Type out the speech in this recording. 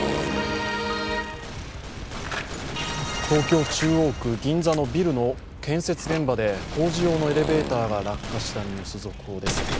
東京・中央区銀座のビルの建設現場で、工事用のエレベーターが落下したニュース、続報です。